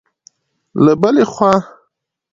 له بلې خوا